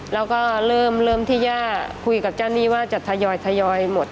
แล้วก็เริ่มที่ย่าคุยกับเจ้าหนี้ว่าจะทยอยหมด